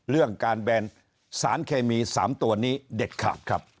เรื่องการแบนสารเคมี๓ตัวนี้เด็ดขาดครับ